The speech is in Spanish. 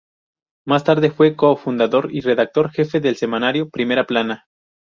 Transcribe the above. Más tarde, fue co-fundador y Redactor jefe del semanario "Primera plana".